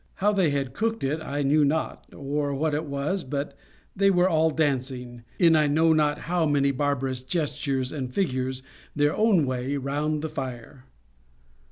How they had cooked it I knew not, or what it was, but they were all dancing, in I know not how many barbarous gestures and figures, their own way, round the fire.